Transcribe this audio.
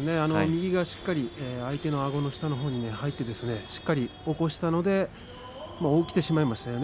右がしっかり相手のあごの下のほうに入ってしっかり起こしたので起きてしまいましたよね